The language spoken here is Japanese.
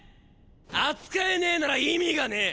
扱えねなら意味がねェ！